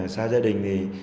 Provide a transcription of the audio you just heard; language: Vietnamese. xa gia đình